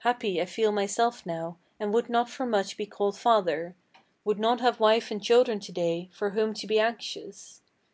Happy I feel myself now, and would not for much be called father; Would not have wife and children to day, for whom to be anxious.